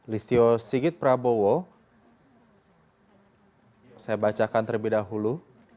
listio sigit prabowo saya bacakan terlebih dahulu